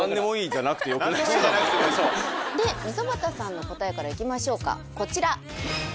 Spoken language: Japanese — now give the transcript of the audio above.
で溝端さんの答えからいきましょうかこちら。